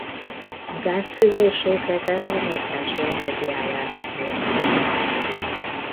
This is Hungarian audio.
A gáz hőmérséklete a mozgási energiájának mértéke.